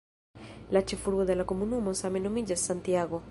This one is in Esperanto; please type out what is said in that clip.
La ĉefurbo de la komunumo same nomiĝas "Santiago".